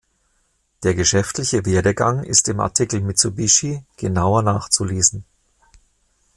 Der geschäftliche Werdegang ist im Artikel Mitsubishi genauer nachzulesen.